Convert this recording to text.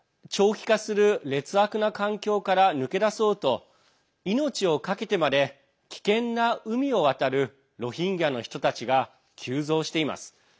長期化する劣悪な環境から抜け出そうと命を懸けてまで、危険な海を渡るロヒンギャの人たちが急増しています。